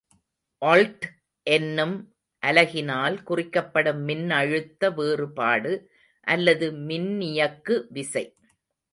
Old என்னும் அலகினால் குறிக்கப்படும் மின்னழுத்த வேறுபாடு அல்லது மின்னியக்கு விசை.